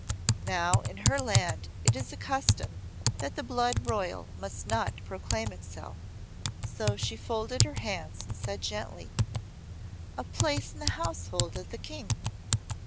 Now in her land it is a custom that the blood royal must not proclaim itself, so she folded her hands and said gently: "A place in the household of the King."